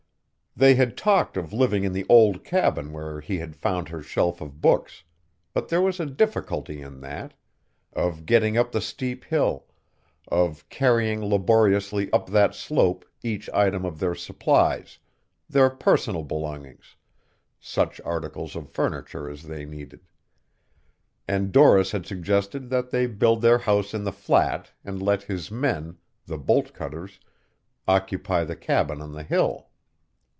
They had talked of living in the old cabin where he had found her shelf of books, but there was a difficulty in that, of getting up the steep hill, of carrying laboriously up that slope each item of their supplies, their personal belongings, such articles of furniture as they needed; and Doris had suggested that they build their house in the flat and let his men, the bolt cutters, occupy the cabin on the hill.